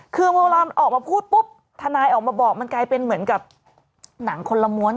คือเวลาออกมาพูดปุ๊บทนายออกมาบอกมันกลายเป็นเหมือนกับหนังคนละม้วน